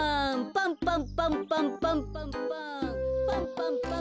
パンパンパンパンパンパンパン。